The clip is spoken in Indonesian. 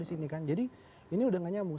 di sini kan jadi ini udah nggak nyamuk